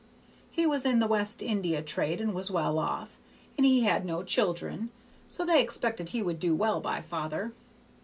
He was in the West India trade and was well off, and he had no children, so they expected he would do well by father.